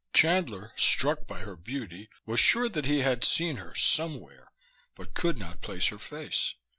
Chandler, struck by her beauty, was sure that he had seen her, somewhere, but could not place her face.